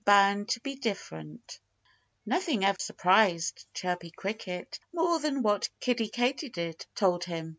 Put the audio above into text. XX BOUND TO BE DIFFERENT Nothing ever surprised Chirpy Cricket more than what Kiddie Katydid told him.